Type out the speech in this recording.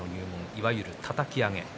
いわゆる、たたき上げです。